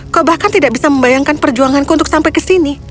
kau bahkan tidak bisa membayangkan perjuanganku untuk sampai ke sini